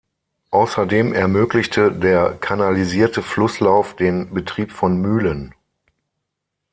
Außerdem ermöglichte der kanalisierte Flusslauf den Betrieb von Mühlen.